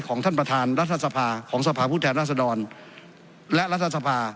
ของท่านประธานรัฐสภาของสภาพุทธแทนราษดรและรัฐสภา